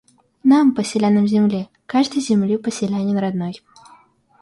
Нам, Поселянам Земли, каждый Земли Поселянин родной.